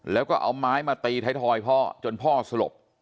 แล้วก็เอาไม้มาตีไทยทอยพ่อจนพ่อสลบ